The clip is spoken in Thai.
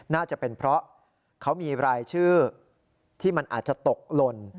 น่าจะเป็นเพราะเขามีรายชื่อที่มันอาจจะตกหล่น